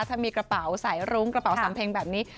ถ้ามีกระเป๋าสายรุ้งกระเป๋าสำเพ็งแบบนี้